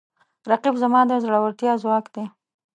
رقیب زما د زړورتیا ځواک دی